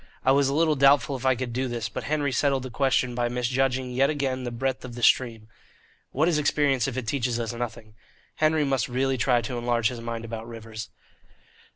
I was a little doubtful if I could do this, but Henry settled the question by misjudging yet again the breadth of the stream. What is experience if it teaches us nothing? Henry must really try to enlarge his mind about rivers.